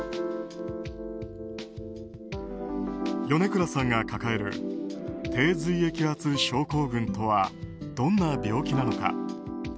米倉さんが抱える低髄液圧症候群とはどんな病気なのか？